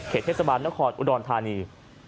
เทศบาลนครอุดรธานี